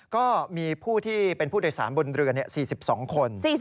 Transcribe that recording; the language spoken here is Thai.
ก็มีผู้ที่เป็นผู้โดยสารบนเรือ๔๒คน